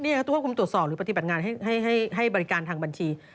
ทุกควบคุมตรวจสอบหรือปฏิบัติงานให้บริการทางบัญชี